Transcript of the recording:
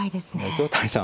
糸谷さん